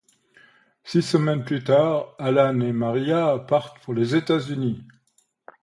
Six semaines plus tard, Alan et Maria partent pour les États-Unis.